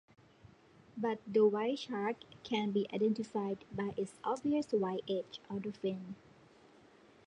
But the white shark can be identified by its obvious white edge of the fin.